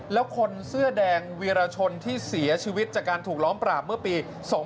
แล้วคนเสื้อแดงวีรชนที่เสียชีวิตจากการถูกล้อมปราบเมื่อปี๒๕๕๙